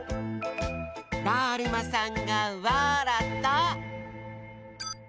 だるまさんがわらった！